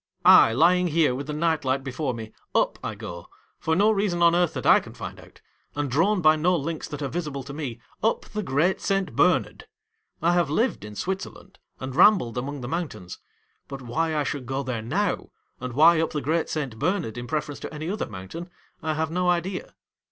I, lying here with the night light before me, up I go, for no reason on earth that I can find out, and drawn by no links that are visible to me, up the Great Saint Bernard ! I have lived in Switzerland, and rambled among the mountains ; but, why I should go there now, and why up the Great Saint Bernard in preference to any other mountain, I have no idea.